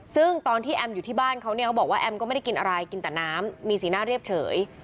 ซึ่งตอนที่แอมอยู่ที่บ้านเขาเนี่ยเขาบอกว่าแอมก็ไม่ได้กินอะไรกินแต่น้ำมีสีหน้าเรียบเฉย